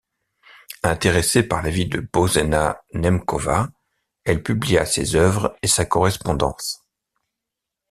Intéressée par la vie de Božena Němcová, elle publia ses œuvres et sa correspondance.